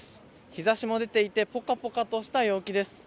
日ざしも出ていて、ポカポカとした陽気です。